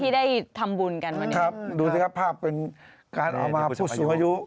ดูสิครับภาพเป็นการออกมาผู้สูงอายุ